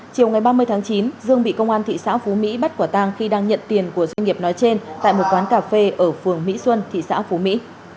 chiều ngày ba mươi tháng chín dương bị công an thị xã phú mỹ bắt quả tang khi đang nhận tiền của doanh nghiệp nói trên tại một quán cà phê ở phường mỹ xuân thị xã phú mỹ